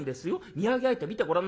見合い相手見てごらんなさい。